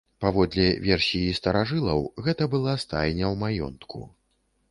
Паводле версіі старажылаў, гэта была стайня ў маёнтку.